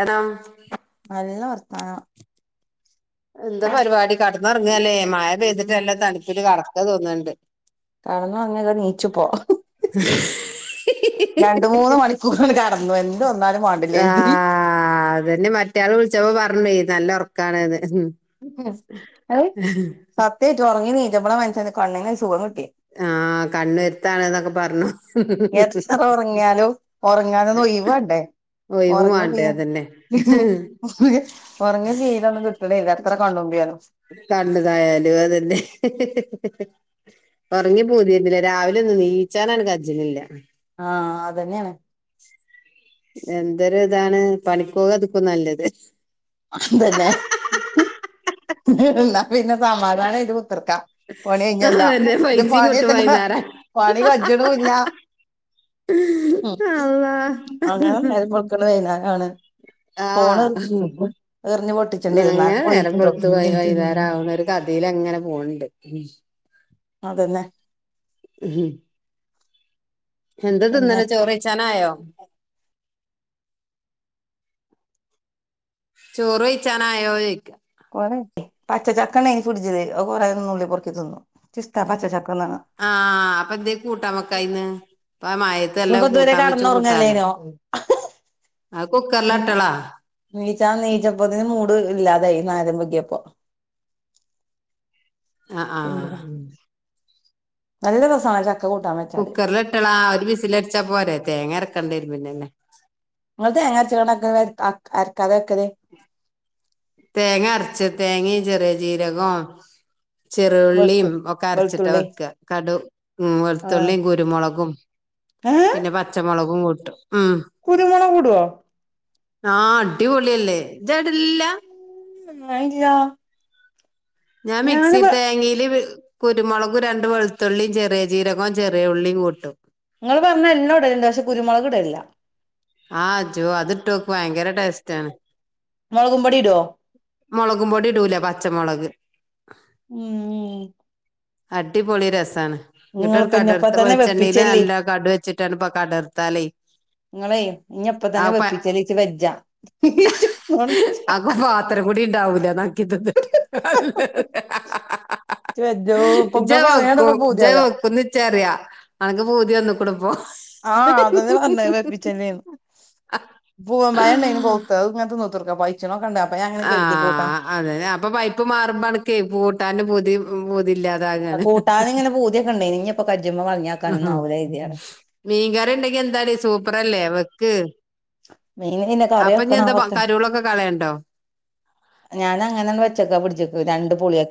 ഏടാ [unintelligible] നല്ല വർത്താനവ എന്താ പരിപാടി കെടന്ന് ഒറങ്ങുവാ അല്ലേ മഴ പെയ്തിട്ട നല്ല തണുപ്പില് കെടക്ക തോന്ന്ണ്ട് കെടന്ന് ഒറങ്ങാതെ എനിച്ചു പൊ രണ്ട് മൂന്ന് മണിക്കൂറാണ് കെടന്നു എന്ത് വന്നാലും വേണ്ടില്ല കര്തി നിങ്ങള് വിളിച്ചപ്പോ പറഞ് നല്ല ഉറക്കാണ്ന്ന് ഉം ഉം അയ് സത്യയിട്ടും ഒറങ്ങി എണീറ്റപ്പളാ മനുഷന് കണ്ണിന് സുഖംക് ആഹ് കണ്ണ് വേരുത്താണ് എന്നൊക്കെ പറഞ്ഞു എത്ര ഒറങ്ങിയാലും ഒറങ്ങന് ഒര് ഒരൊഴിവ് വേണ്ടെ ഒഴിവ് ഒറങ്ങ് പീ വേണ്ടേ അതന്നെ ഒറങ്ങിത്തീരാണ് നിർത്തെടി [unintelligible] വർ. ! ! ! ! ! ! ! ! ! ! കണ്ണ് ഇതായാലും അത് തന്നെ ഒറങ്ങി പോതിരുന്നില്ല. രാവിലൊന്നും എനിച്ചാലാണ് കാച്ചെ [unintelligible] ന്നില്ല. ആഹ് അതന്നെയാണ് എന്തൊരിതാണ് പണിപ്പോകുവാത് ഇപ്പൊ നല്ലെത്. അതന്നെ എന്നാ പിന്നെ സമാധായിട്ട് പേർക്കാം പണി കഴിഞ്ഞെന്നാ അതന്നെ ഇത് പൈസയും കിട്ടും പണിത്തന്നെ വൈന്നേരം പണി കജുണുവില്ലാ ഉം അള്ളാ അങ്ങനെ നേര വെളുക്കണെ [unintelligible] ആഹ് എറിഞ്ഞു ങ്ങനെ പൊട്ടിച്ചണ്ടിരുന്നാലും പോയിട്ടുണ്ടോ നേരവെളുത്ത് വൈകു വൈന്നേരകണ ഒരു കഥയിലാ ഇങ്ങനെ പോണ്ട് ഉം അതന്നെ മ്മ് ഹും എന്ത് പിന്നെ തിന്നന്ന് ചോറുക്കച്ചാനായോ? ചോറ് കഴിച്ചാനായോ ചോയ്ക്കാ കൊറെക്കേ പച്ചചക്ക ണ്ടായി ഫ്രിഡ്ജില് അത് കൊറെ നുള്ളി പൊറ്ക്കി തിന്നുഎനിക്കിഷ്ടാ പച്ചച്ചക്ക ആഹ് അപ്പൊന്തേ കൂട്ടാവെക്കായിന്ന് ഇപ്പ ഇപ്പൊ മഴത്തെല്ലാം ഇതുവരെ കൂട്ടാൻ വെച്ച് കൂട്ടാലോ കടന്നുറങ്ങല്ലേനോ ആ കുക്കറിലോട്ടിള ആ നെയ്ച്ചപ്പതിന് മൂട് ഇല്ലാതായ് ഞാനാദ്യമ്പൊക്കിയപ്പ ആഹ് ആഹ് [unintelligible] നല്ല രസാണോ ചക്ക വെച്ചാല് കുക്കറിലിട്ടേളാ ഒരു ബിസിലടിച്ചാ പോരേ. തേങ്ങ ചേർക്കണ്ടാരും പിന്നെന്ന. നിങ്ങ തേങ്ങായരച്ച് കണക്കിന് അക് അരക്കാതെ വെക്കത്? തേങ്ങ അരച്ച് തേങ്ങയും ചെറിയ ജീരകോം വെളുത്തു ചെറുള്ളിയും ഒക്കെ അരച്ചിട്ട് വെളുത്തുള്ളി വെക്ക്ക. കടുക് ഉം ആഹ് വെളുത്തുള്ളിയും കുരുമുളകും. പിന്നെ പച്ചമൊളകും കൂട്ടും ഉം കുരുമൊളകിടുവോ? ആഹ് അടിപൊളിയല്ലേ. ജടില്ല ഉം മൈന്റില്ല. ഞാൻ മിക്സിയിൽ തേങ്ങയില് വെ കുരുമൊളക് രണ്ട് വെളുത്തുള്ളിയും ചെറിയ ജീരകവും ചെറിയ ഉള്ളിയും കൂട്ടും. നിങ്ങള് പറഞ്ഞാ എല്ലാ ഇടലൊണ്ട്. പക്ഷെ കുരുമൊളക് ഇടലില്ല. ആഹ് ജോ അതിട്ട് നോക്ക് ഭയങ്കര ടേസ്റ്റാണ്. മൊളകും പൊടിയിടോ മൊളകും പൊടി ഇടൂല. പച്ചമൊളക്. ഉം ഉം അടിപൊളി രസാണ്. എന്നിട്ടൊരു നിങ്ങളിപ്പ ഇഞ്ഞപ്പ കടുർത്ത തന്നെ വെളിച്ചെണ്ണയില് വെപ്പിച്ചല്ലേ നല്ല കടു വെച്ച്. ട്ടനപ്പ കടർത്താലേ നിങ്ങളേ ഇനി എപ്പ ആ തന്നെ പ വെപ്പിച്ചേല്ലേനിച്ച് വെജാ. നോൺ വെജാ. ഇതാവൂല്ല നക്കിടെട്ടുതിട്ട് വെജോ പ്പ മണിയാണ്ടെന്റെ പൂതിയല്ലാ. അറിയ ഒനക്ക് പൂതി വന്ന് കൊടുപ്പോ. ആഹ് അതങ്ങനെ വന്നായിരുന്നു ഏപ്പിച്ചന്നേന്. വും മഴയെണ്ണന് പോത്ത് അത് ഇങ്ങനത്തെ നോ ക്ക പൈച്ചണക്കൊണ്ടാരുന്ന് ആഹ് അതെ. അപ്പൊ പൈപ്പ് മാറുമ്പോഴാണ് ക്കെപ്പൂട്ടാനും പുതി പുതില്ലാത്ത. ആ കൂട്ടാനിങ്ങെനെ പൂതിയെക്കെ ഉണ്ടായ്നു. ഇനിയപ്പൊ കടി ങു ഹൂ. മീൻകറി ഉണ്ടെങ്കിയെന്താണ് സൂപ്പറല്ലേ വെക്ക്. മീന് പിന്നെ കറി അപ്പൊ ഇഞ് വെക്കണോ എന്താ വെക്കണ്ടേ കരോളൊക്കെ കളയാണ്ടോ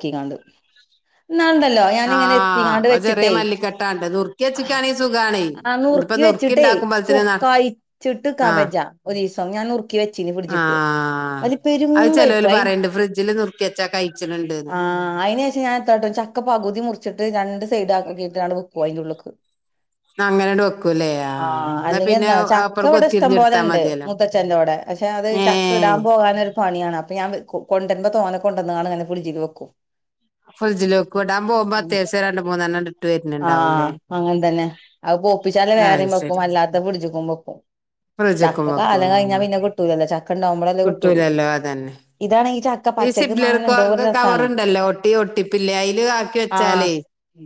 [inaudible] എന്നാണ്ടല്ലോ ആ ഞാനിങ്ങനെ എത്തിങ്ങാണ്ട് അപ്പൊ ചെറിയ വെച്ചിട്ടേ മല്ലിക്കെട്ടാണ്ട് നുറുക്കി വെച്ചിക്കാണെങ്കിൽ സുഖാണേ ആ ഇനിയിപ്പൊ നുറുക്കി വ വച്ചിട്ടെ ഉണ്ടാക്കുമ്പോഴത്തേന് ചൊക്കഴിച്ചിട്ട്നിക്കാൻ ആഹ് വജ്ജ ഒരു ദിവസം ഞാൻ നുറുക്കി വെച്ച വെച്ചിനി ഫ്രിഡ്ജ് ക്ക് ആഹ് അതു പേരും അത് കഴിപ്പ് ചെലോല് പറയ്ണ്ട് ഫ്രിഡ്ജില് നുറുക്കിയെച്ചാ കഴിച്ച്ണ് ണ്ട്ന്ന് ആ അയിന് ശേഷം ഞാൻ എത്താട്ടും ചക്ക പകുതി മുറിച്ചിട്ട് രണ്ട് സൈഡക്കട്ടാണ് അതിന്റുള്ളിക്ക് [inaudible] അങ്ങനെ വെക്കൂല്ലേ ആ എന്നാ അല്ലെങ്കി പിന്നെ എന്താണ് ചക്ക അപ്പം. ഇവിടെ ഇഷ്ടം പോലെ കൊത്തിരിഞ്ഞെടുത്താ ഇണ്ട് മതിയല്ലോ മുത്തച്ഛന്റോടെ പക്ഷെ അത് ചക്ക് ഏഹ് ഇടാൻ പോകാൻ ഒരു പണിയാണ് അ കൊണ്ടരുമ്പോ തോനെ കൊണ്ടന്നാണ് അങ്ങനെ ഫ്രിഡ്ജിൽ വെക്കും ഫ്രിഡ്ജില് വെക്കും ഇടാൻ പോകുമ്പോ അത്യാവശ്യം രണ്ട് മൂന്നെണ്ണണ്ട് ഇട്ട് ആഹ വര്ന്ണ്ടാവൂല്ലേ അങ്ങൻ തന്നെ പോപ്പിച്ചാൽള്ള അത് വേറിം വെക്കും ശരി അല്ലാത്ത ഫ്രിഡ്ജ് ക്കും വെക്കും ഫ്രിഡ്ജ്ക്കും ചക്കക്ക വെക്കും കാലം കഴിഞ്ഞ ആഹ് പിന്നെ കിട്ടൂലല്ല ചക്ക ഉണ്ടാകുംബളല്ലേ കിട്ടള്ളൂ കിട്ടൂലല്ലോ അതന്നെ ഈ സിബ്ലർക്ക് ഒരു ഒക്കെ രസാണ് കവറുണ്ടല്ലോ ഒട്ടി ഒട്ടിപ്പ്ള്ള അയില് ആക്കി ആഹ് വെച്ചാലേ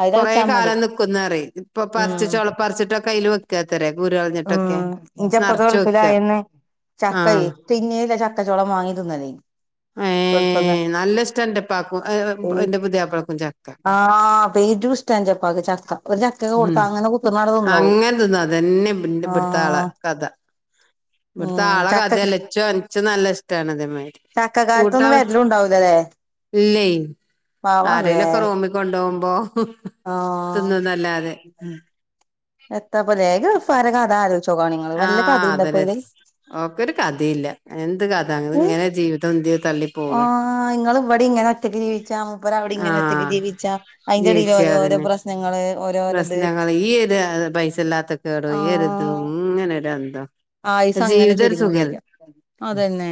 അത് കുറേ തളിച്ചാ മതി കാലം നിക്കുന്നറി ഇപ്പൊ പറി ഉം ച്ചിട്ടോളപ്പറിച്ചിട്ട് ഒക്കെ അയില് വെക്കാത്രേ കുരു കളഞ്ഞിട്ടൊക്കെ ഉം ഇന്ടെപ്പ നറച്ച് വെക്കാ ഗൾഫിലയെന്നു ചക്ക ആഹ് തിങ്ങി ചക്ക ചക്ക ചോള മാങ്ങി തിന്നാലെനി ഏ കൊഴസല്ല നല്ല ഇഷ്ട എന്റെപ്പാക്കും [unintelligible] എന്റെ പുതിയാപ്പളക്കും ചക്ക ആ പേരും ഇഷ്ട ഇന്ടെ ഇപ്പക്ക് ചക്ക ചക്ക ഉം കൊടുത്താ അങ്ങനെ കുത്തിനാട് നിന്നോള്ളൂ പിന്ന പിടുത്ത ആള കഥ ഇവിടുത്തെ ഉം ആളെ കഥ ചക്ക ഇച്ചും നല്ല ഇഷ്ടമാണ് അതേമാതിരി ചക്കകാലത്തൊന്നും കൂട്ടാൻ വര്ലും ഉണ്ടാവലില്ലല്ലെ ഇല്ലേ ആരലൊക്കെ റൂമിൽ കൊണ്ടു പോകുമ്പോ തിന്നും ന്നല്ലാദേ എത്ത പ്പലെ ആഹ ഇപ്പോ അതെന്നെ അയില് ഓക്കരു കഥയില്ല എന്ത് കഥ ഇങ്ങനെ ജീവിതം തള്ളി പോക ആങ്ങൾ ഇവിടെ ഇങ്ങനെ ഒറ്റക്ക് ജീവിച്ചാ മൂപ്പര് അവിടിം ഇങ്ങനെ ഒറ്റക്ക് ആഹ് ജീവിച്ചാ അതിന്റെടയിലോ ജീവിച്ച രോ ഓരോ അതന്നെ പ്രശ്നങ്ങള് ഓരോരത് പ്രശ്നങ്ങൾ ഈര് പൈസ ഇല്ലാത്ത കേടും ഈഒരിതും ആഹ് ഇങ്ങനെരു എന്തോ ആയുസ് അങ്ങനെ ചുരുങ്ങും ചെജ്ജാ അതന്നെ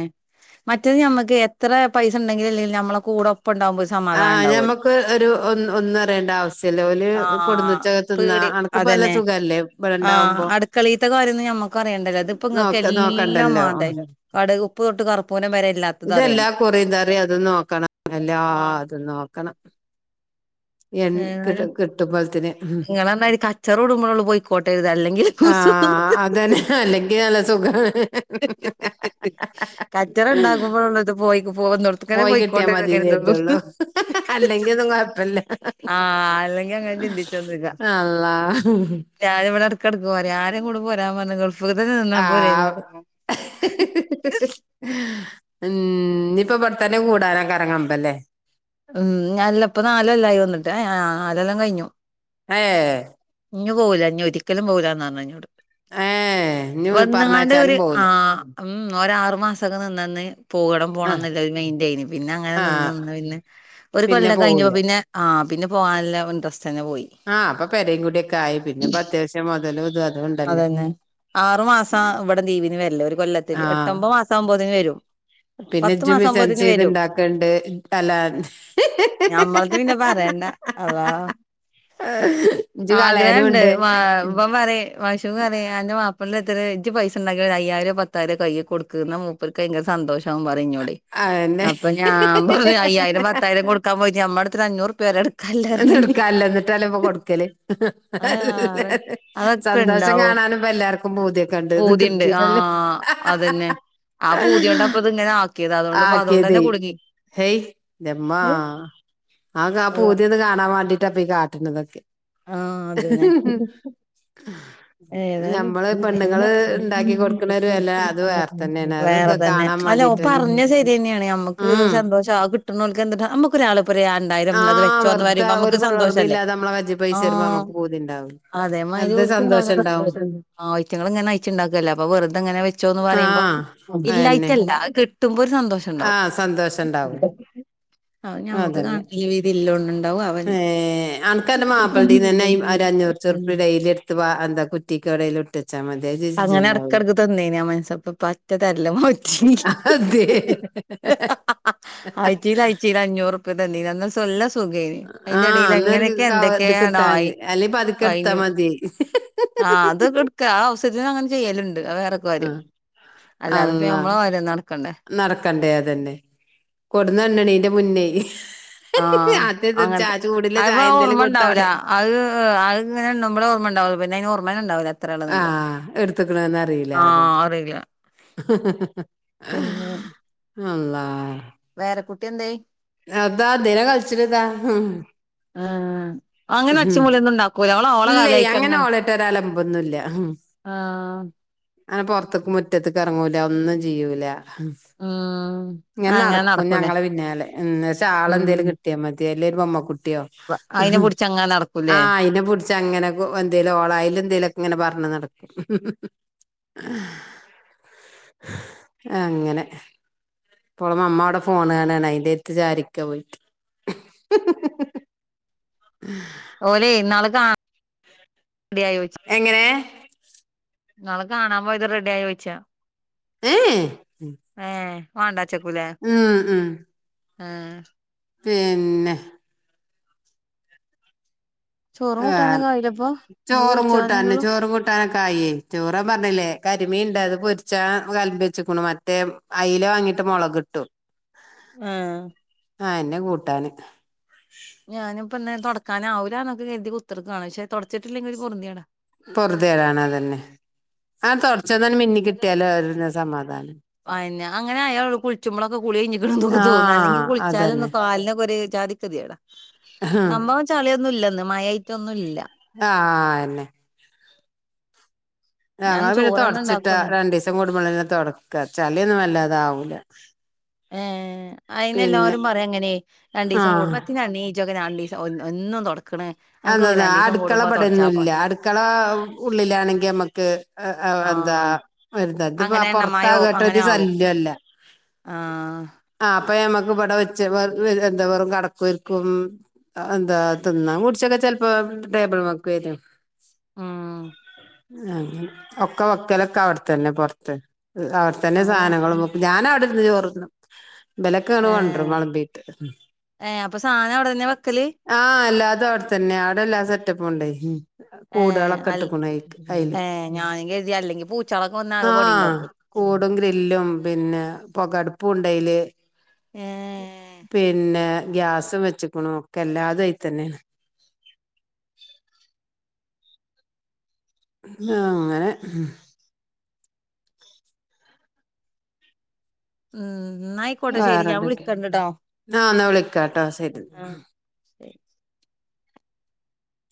മറ്റത് നമ്മക്ക് എത്ര പൈസ ഉണ്ടെങ്കിലും ഇല്ലങ്കിലും നമ്മളെ കൂടെ ഒപ്പം ഉണ്ടാവുമ്പോ ഒരു ആ സമാധാനം ഉണ്ടാവുല്ലോ ഞമ്മക്ക് ഒരു ഒ ഒന്നും അറിയേണ്ട ആവശ്യല്ല ഓരു ആഹ് കൊടുന്നച്ച തിന്നാ പേടി അനക്കിപ്പ നല്ല അതന്നെ സുഖല്ലേ ആ ഇവിടെണ്ടാവുമ്പോ അടുക്കളീത്തെ കാര്യം നമ്മക്ക് അറിയണ്ടല്ല ല്ലോ ഇതിപ്പം നോക്ക നോക്കണ്ടല്ലോ എല്ല കടക് ഉപ്പ് തൊട്ട് കറുപ്പൂരം വരെ ഇല്ലാത്തത് അറിയണം കുറി ന്താറിം അതും നോക്കണം എല്ലാതും. നോക്കണം എൻ കി ഏതാലും കിട്ടുമ്പോത്തിന് ഇങ്ങള് പറഞ്ഞ മതിരി കച്ചറ കൂടുമ്പോളോള്ളൂ പോയിക്കോട്ട കരുത അല്ലെങ്കിൽ ആഹ കുസു അതന്നെ അല്ലങ്കി നല്ല സുഖണ്‌ കച്ചറ ഉണ്ടകുമ്പോളള്ളൂ ഇത് പോ പോന്നോടുത്തിക്കന്നെ പോയി കിട്ടിയാ പോയിക്കോട്ടേ ന്നു മതിന്നേ കരുതും കരുതുള്ളൂ അല്ലെങ്കി ഒന്നും കൊഴപ്പല്ല ആ അല്ലെങ്കിൽ അങ്ങ ചിന്തിച്ചൊന്നുമില്ല അള്ളാ ഞാന് ഇവിടെ കടക്ക പോ ആരെ ഇങ്ങളോട് പോരാൻ പറഞ്ഞ ഗൾഫ്ലന്നെ നിന്ന ആഹ് പോരെനിയോ [inaudible] ഉം ഇപ്പൊ ഇവിടത്തന്നെ കൂടാനൊക്കെ ഇറങ്ങ്പല്ലേ ഉം ഞാനല്ല ഇപ്പൊ നാലല്ലായി വന്നിട് നാലെല്ലാം കഴിഞ്ഞു ആഹ ഇഞ് പോവൂല്ല ഇനി ഒരിക്കലും പോകില്ലന്ന് പറഞ്ഞു എന്നോട് ഏഹ് ഇനി വന്നുകാണ്ട് ഒരു പറഞ്ഞയച്ചാലും പോവൂല ആ ഉം ഒ ആറു മാസക്കെ നിന്നന്ന് പോകണം ആഹ് പോകണന്നുള്ള മെൻറയി പിന്നെ അങ്ങനെ നിന്ന് ആഹ് നിന്ന് പിന്നെ ഒരു പിന്നെ കൊല്ലംക്കെ പോവൂല കഴിഞ്ഞപ്പം പിന്നെ ആ പിന്നെ പോകാനല്ലവ [unintelligible] ആ അപ്പൊ പെരയും കൂടെക്കെ ആയി പിന്നെ പത്ത് ദിവസം മുതൽല് അത് തന്നെ ആറു മാസം ഇവിടെ ലീപവിന് വരില്ല ഒരു കൊല്ലത്തില് ആഹ് എട്ടൊമ്പത് മാസം ആകുമ്പോതിന് വരും. പിന്നെ പത്ത് മാസം ജുമിസൻസ് ആകുമ്പോത്തിന് വരും ചെയ്ത്ണ്ടാക്കണ്ട് അലാത് ഞമ്മളത് പിന്നെ അതാണ് ഇജ്ജ് ആഗ്രഹമുണ്ട് കളയാനുണ്ട് ഇവൻ പറയും പക്ഷെ അറിയാ എന്റെ മാപ്പളക്കെ ത്ര ഇ പൈസ ഉണ്ടങ്കി അയായിരോ പത്തായിരം കൈയ്യി കൊടുക്കുന്ന മൂപ്പർക്ക് ഭയങ്കര സന്തോഷം പറഞ്ഞോടി അതന്നെ അപ്പൊ ഞാൻ പറ അയ്യായിരം പത്തായിരം കൊടുക്കാൻ പോയിട്ട് നമ്മടത്ത് അഞ്ഞൂറ് റുപ്പ തരാൻ ഇത് എടുക്കാല്ലോ എന്നിട്ടല്ലേ ഇപ്പൊ കൊടുക്കല് [unintelligible] അതെ ഒക്കെ സന്തോഷം ഇണ്ടാവും കാണാനും ഇപ്പൊ എല്ലാവർക്കും പൂതിയൊക്കെ ഉണ്ട് ഇത് പൂതിയുണ്ട് ആ കിട്ടിയില്ലല്ലേ അതന്നെ ആ പൂതിയോണ്ട് അപ്പൊ തന്നെയാ ആക്കിയത് ഹേയ് [unintelligible] ആ ങ്ങാ പൂതിയൊന്ന് കാണാൻ വേണ്ടിട്ടാപ്പി കാട്ടിനതൊക്കെ ആ അതന്നെ ഏതാലും നമ്മള് പെണ്ണുങ്ങള് ഉണ്ടാക്കി കൊടുക്കണ ഒരു വില അത് വേറെ [unintelligible] തന്നെയാണ് അത് വേറെ ക- തന്നെ കാണാൻ അല്ല വേണ്ടിട്ട് പറഞ്ഞത് ശരി തന്നെയാണ് നമ്മുക്ക് ഉം സന്തോഷം ആ കിട്ടുന്നാൾക്ക് എന്തിനാ നമ്മുക്ക് ഒരാളെ പരി എണ്ടാലും ആ അത് വെച്ചോന്ന് വെറുതെ പറയുമ്പോ ഒരു നമുക്ക് സന്തോഷം അല്ലേ കുളർമയില്ലാതെ നമ്മളെ കജ്ജി ആ പൈസ വരുമ്പോ നമുക്ക് പൂതി ഉണ്ടാവും അതേമാതിരി എന്ത് സന്തോഷം ഒക്കണ്ടാവുന്ന ഉണ്ടാവും സന്തോഷം ആഴ്ചകളങ്ങനെ അയച്ചുണ്ടാക്കല്ലേ അപ്പൊ വെറുതങ്ങനെ വെച്ചോന്ന് പറയുമ്പോ ആഹ് ഇല്ലായിറ്റില്ല കിട്ട് ആ സന്തോഷം ഉണ്ടാവും അത് ഞമ്മക്ക് അതന്നെ കാണുന്നില്ല വീതി ഇല്ലോണ്ടുണ്ടാവും ഏ അവന് ആൾക്കാര [unintelligible] അങ്ങനെ ഇടക്കിടക്ക് തന്നെനേം മനസപ്പറ്റ് തരില്ല മോറ്റി അതെ ആഴ്ചൽ ആഴ്ചേൽ അഞ്ഞൂറ് രൂപ തന്നെൻ എന്നാൽ സ്ലൊല്ല സുഖേനന് അതിന്റെ ആഹ് ഇടയിൽ അന്നൊരു എങ്ങനെയൊക്കെ കവ എന്തൊക്കെയ ഇത് കിട്ടാ മതി അല്ലെ പതുക്കെ എടുത്താ മതി ആ അതെടുക്കുക ആ അവസരത്തിന് അങ്ങനെ ചെയ്യലുണ്ട് ക്ക വരും ആ നടക്കണ്ടേ അതന്നെ കൊടന്നണ്ടണീന്റെ മുന്നേ ആദ്യഹത്തെ ചാച്ചോ അപ്പൊ ഓർമ്മ ഉണ്ടാവില്ല അത് അത്ങ്ങനെ ഉണ്ട്പോള ഓർമ്മ ഉണ്ടാവും പിന്നെ ഓർമ്മന്നെ ഉണ്ടാവൂല ആ എത്രയാണ്ന്നുള്ളത് എടുത്തേക്കണന്ന് അറിയില്ല അത് ആഹ് അറിയില്ല അള്ളാ വേറെ കുട്ടി എന്തായി അതാ അദ്ദേഹ കളിച്ചിട്ടതാ ആ അങ്ങനെ ഒച്ചമൂളിയൊന്നും ഉണ്ടാക്കൂല അവള് ഓള ഇല്ലേ അങ്ങനെ കളിയായിട്ടങ്ങെ ഓളേട്ട് ഒരലമ്പൊന്നുല്ല ആ അ പൊറത്തേക്ക് മുറ്റത്തെക്ക് ഇറങ്ങൂല ഒന്നും ചെയൂല്ല ഉം ഇങ്ങനെ അങ്ങനെ നടക്കും നടക്കൂലേ ഞങ്ങളെ പിന്നാലെ ഷാൾ എന്തേലും കിട്ടിയാ മതിയല്ലേ ഒരു ബൊമ്മക്കുട്ടിയോ അതിനെ പിടിച്ചങ്ങ് ആ അയിനെ പിടച്ച് അങ്ങനെക്ക് എന്തേലും ഓളായാല എന്തേലും ഇങ്ങനെ പറഞ്ഞ് നടക്കും അങ്ങനെ ഇപ്പോള അമ്മ അവിടെ ഫോൺ കാണാണ് അയിന്റെ അടുത്ത് ചാരിക്ക പോയി ഓലെ ഇന്നാളെ കാ എങ്ങനെ? നിങ്ങള് കാണാൻ പോയത് റെഡി ആയോ ചോയിച്ച ഏ ഉം ഉം ആഹ പിന്നെ ചോറും ആ കൂട്ടാനൊക്കെ ആയിലപ്പൊ ഇനി ചോറും കൂട്ടൻ വിളിച്ചാനല്ലേള്ളൂ ചോറും കൂട്ടാനൊക്കെ ആയി ചോറൻ പറഞ്ഞില്ലേ കരിമി ഉണ്ട് അത് പൊരിച്ചാ കലമ്പി വെച്ചക്കണു മറ്റേ അയില് വാങ്ങിട്ട് മുളക് കിട്ടും ആഹ ആഹ എന്നെന്നെ കൂട്ടാന് ഞാനിപ്പൊന്നെ തുടക്കാനാവില്ലന്നൊക്കെ കരുതി കുത്തിർക്കാണ് പെ തുടച്ചിട്ടില്ലെങ്കിൽ ഒരു പൊന്തിേടാ പൊറുതേടാണ്തന്നെ ആ തുടച്ചന്നൻ മിന്ന കിട്ടിയാലോ അവ സമാധാനം പിന്നെ അങ്ങനെ ആയാളോ കുളിച്ചുമ്പോളൊക്കെ കുളി കിഞ്ഞിക്കിുന്ന തൊക്ക തോന്ന ആഹ് അെങ്കിൽളിച്ചാലും ഒ അതന്നെ കാലിനൊെ ഒരു ജാതി ടാ ആഹ് സംഭവം ചളിയൊന്നും ഇല്ലന്ന് മഴമായിട്ട ഒന്നും ഇല്ല ആഹ എന്നന്നെ ഞങ്ങ ഞാൻന്ന് പിന്നെ ചോറന്നെ തുടച്ചിട്ടാ ഇണ്ടാക്കുള്ളൂ രണ്ടു ദിവസം കൂടുമ്പോളെ തുൊടക്ക ചലിയൊന്നും വല്ലാതെ ആാവൂല ഏ അയിന്െല്ലാവരും പറയാ അങ്ങനെ രണ്ടു ദിവസം ആഹ് കൂടുമ്പത്തിാണ് ഈജോക്കെ രണ്ടു ദിവസം ഒ എന്നും തുടക്ക അതതാ അടുക്കള പടൊന്നുംല്ല പോരെ അടുക്കള ഉള്ളിലാണെങ്കി നമ്മുക്ക് എന്താ ആഹ് വത് അങ്ങനെ എണ്ണമയോ പുൊറത്താകട്ട ഒരു ശല്യംല്ല ആ അപ്പ മ്മക്ക് ഇവിടെ വെച്ച എന്താ പറ കടക്കൊരിക്കും എന്താ തിന്ന [unintelligible] ചെലപ്പോ [unintelligible] ഉം അങ്ങനെ ഒക്ക വെക്കലൊക്കെ അവിടത്തന്നെ പൊറത്ത് അവിടെത്തന്നെ അങ്ങനെ സാധനങ്ങളും ഞാനവടെരുന്ന് ചോറ്തിനും ഇബാലൊക്കെ ഇങ്ങോട്ട് കൊണ്ട്റും ഏഹ് വേളമ്പിട്ട് ഏഹ് അപ്പൊ സാനം അവടെന്നെ വെക്കല് ആഹ്‌ എല്ലാ അവടെത്തന്നെയാ അവടെല്ലാ സെറ്റപ്പ് ഉണ്ടായി ഏഹ് അൽ കൂട്കളക്ക്ട്ട്ക്കണ് അയിക്ക് അതില് ഏഹ് ഞാനും കരുതി അല്ലെങ്കി പൂച്ചാളൊക്കെ വന്നാ ആകെ ആഹ് പണിണ്ടാക്കും കൂടും ഗ്രില്ലും പിന്നെ പൊകടുപ്പുണ്ടായില് ഏഹ് പിന്നെ ഗ്യാസു വെച്ചക്കണു ഒക്കെ എല്ലാതും അയി തന്നെണ് അങ്ങനെ ഉം ഉം ന്നായിക്കോട്ടെ ശെരി ഞാൻ വിളിക്കണ്ട്ട്ടോ ക്കട്ടാ സെരി ആഹ് ശരി